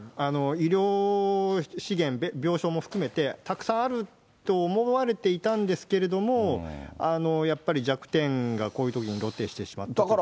医療資源、病床も含めて、たくさんあると思われていたんですけれども、やっぱり弱点がこういうときに露呈してしまっている。